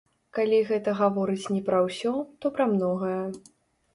Калі гэта гаворыць не пра ўсё, то пра многае.